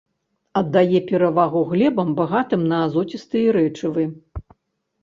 Аддае перавагу глебам, багатым на азоцістыя рэчывы.